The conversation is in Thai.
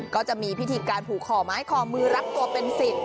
ก็จะมีพิธีการถูกหอมาให้คอมือลับตัวเป็นสิ่ง